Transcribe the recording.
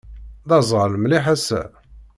D aẓɣal mliḥ ass-a.